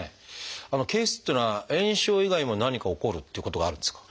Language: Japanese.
憩室っていうのは炎症以外にも何か起こるっていうことがあるんですか？